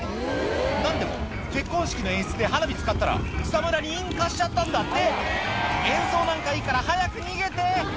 何でも結婚式の演出で花火使ったら草むらに引火しちゃったんだって演奏なんかいいから早く逃げて！